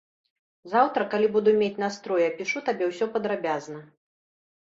Заўтра, калі буду мець настрой, апішу табе ўсё падрабязна.